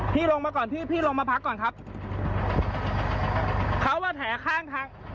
พี่ลงมาก่อนพี่พี่ลงมาพักก่อนครับเขามาแถข้างทาง